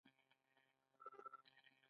بوټونه که زوړ شي، څوک یې نه اغوندي.